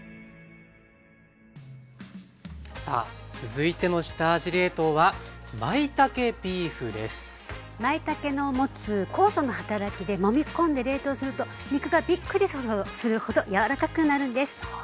さあ続いての下味冷凍はまいたけの持つ酵素の働きでもみ込んで冷凍すると肉がびっくりするほど柔らかくなるんです。